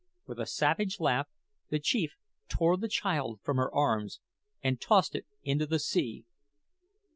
With a savage laugh, the chief tore the child from her arms and tossed it into the sea.